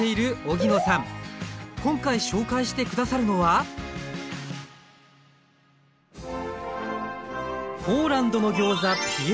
今回紹介して下さるのはポーランドのギョーザピエロギ。